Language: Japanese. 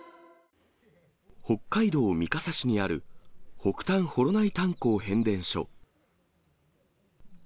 北海道三笠市にある北炭幌内炭鉱変電所。